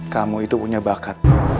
kamu itu punya bakat